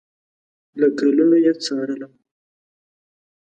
له کلونو یې څارلم